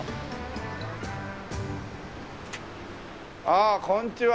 ああこんにちは。